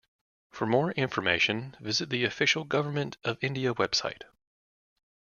For more information visit the official Government of India website.